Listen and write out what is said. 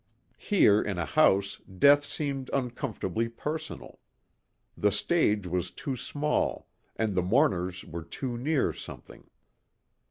Here in a house death seemed uncomfortably personal. The stage was too small and the mourners were too near something.